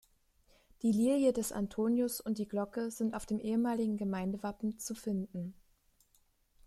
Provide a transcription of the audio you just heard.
Die Lilie des Antonius und die Glocke sind auf dem ehemaligen Gemeindewappen zu finden.